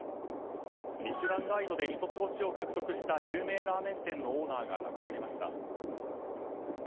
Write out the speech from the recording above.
ミシュランガイドで１つ星を獲得した有名ラーメン店のオーナーが亡くなりました。